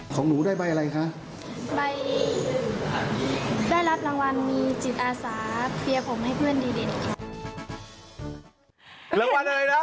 ของหนูได้ใบอะไรคะใบได้รับรางวัลมีจิตอาสาเคลียร์ผมให้เพื่อนดีเด่นค่ะ